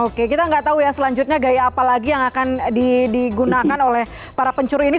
oke kita nggak tahu ya selanjutnya gaya apa lagi yang akan digunakan oleh para pencuri ini